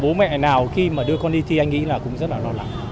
bố mẹ nào khi mà đưa con đi thi anh nghĩ là cũng rất là lo lắng